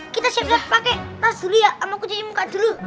kita siap siap pakai tas dulu ya sama kucingnya muka dulu